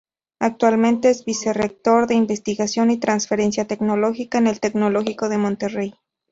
Actualmente es Vicerrector de Investigación y Transferencia Tecnológica en el Tecnológico de Monterrey.